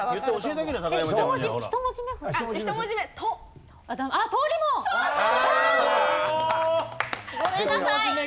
ごめんなさい！